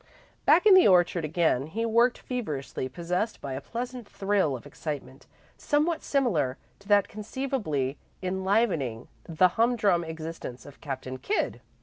Back in the orchard again, he worked feverishly, possessed by a pleasant thrill of excitement, somewhat similar to that conceivably enlivening the humdrum existence of Captain Kidd.